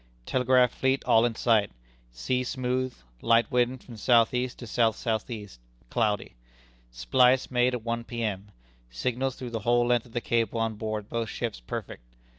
Telegraph Fleet all in sight; sea smooth; light wind from S.E. to S.S.E.; cloudy. Splice made at one P.M. Signals through the whole length of the cable on board both ships perfect.